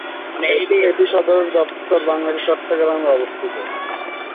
এটির সদর দফতর বাংলাদেশের চট্টগ্রামে অবস্থিত।